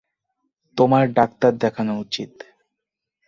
তোমার ডাক্তার দেখানো উচিত।